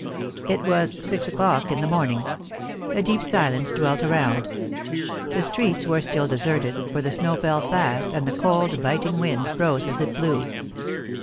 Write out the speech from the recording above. It was six o'clock in the morning; a deep silence dwelt around. The streets were still deserted, for the snow fell fast, and the cold, biting wind froze as it blew.